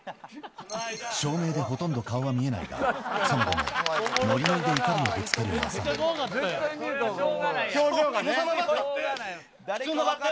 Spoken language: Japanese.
照明でほとんど顔は見えないが、その後ものりのりで怒りをぶつけるまさのり。